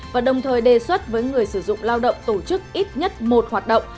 và đồng thời đề xuất với người sử dụng lao động tổ chức ít nhất một hoạt động